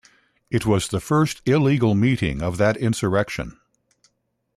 It was the first illegal meeting of that insurrection.